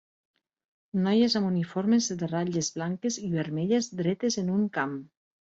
Noies amb uniformes de ratlles blanques i vermelles dretes en un camp.